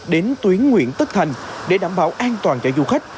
đến tuyến nguyễn tất thành để đảm bảo an toàn cho du khách